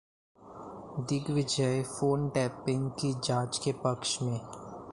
Digvijay phone tapping की जांच के पक्ष में